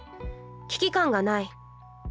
危機感がない。